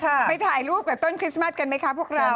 ไปถ่ายรูปกับต้นคริสต์มัสกันไหมคะพวกเรา